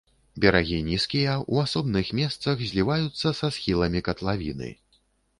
Берагі нізкія, у асобных месцах зліваюцца са схіламі катлавіны.